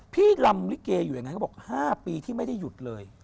พี่รำลิเกย์อยู่อย่างนั้นก็บอกห้าปีที่ไม่ได้หยุดเลย